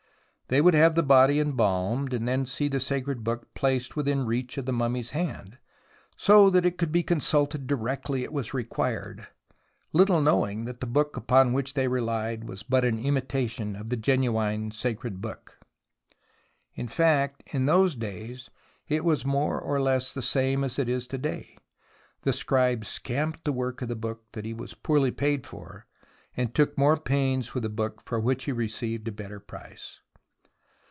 They would have the body embalmed, and see the sacred Book placed within reach of the mummy's hand, so that it could be consulted directly it was required, little knowing that the Book upon which they relied was but an imitation of the genuine sacred Book. In fact, in those days, it was more or less the same as it is to day. The scribe scamped the work of the Book that he was poorly paid for, and took more pains with the Book for which he received a better price.